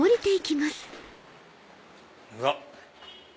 うわっ！